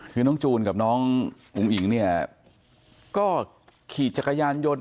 คือน้องจูนกับน้องอุ๋งอิ๋งเนี่ยก็ขี่จักรยานยนต์